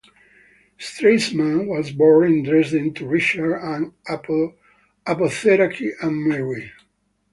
Stresemann was born in Dresden to Richard, an apothecary and Marie.